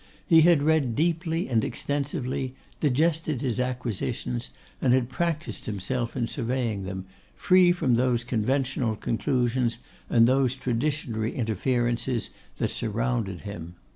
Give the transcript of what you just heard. He had read deeply and extensively, digested his acquisitions, and had practised himself in surveying them, free from those conventional conclusions and those traditionary inferences that surrounded him.